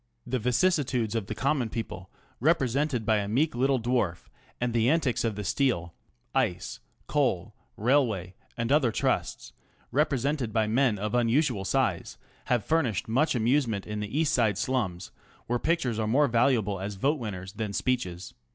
The vicissitudes of the "common people," represented by a meek little dwarf, and the antics of the steel, ice, coal, railway, and other trusts, represented by men of unusual size, have fur nished much amusement in the east side slums, where pictures are more valuable as vote winners than speeches.